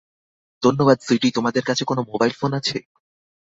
ধন্যবাদ, সুইটি তোমাদের কাছে কোন মোবাইল ফোন আছে?